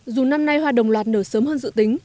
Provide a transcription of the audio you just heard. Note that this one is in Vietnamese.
dù năm nay hoa đồng loạt nở sớm hơn dự tính